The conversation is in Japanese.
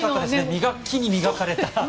磨きに磨かれた。